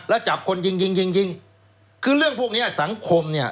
แล้วจับคนยิงยิงยิงคือเรื่องพวกเนี้ยสังคมเนี่ย